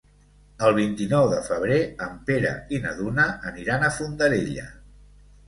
El vint-i-nou de febrer en Pere i na Duna aniran a Fondarella.